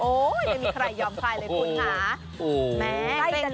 โอ้ยยังมีใครยอมใครเลยคุณหา